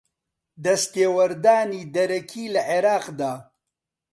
دەستێوەردانی دەرەکی لە عێراقدا